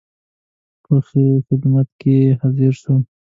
په خدمت کې حاضر شو.